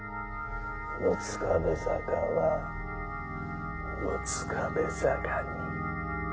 「六壁坂は六壁坂に」。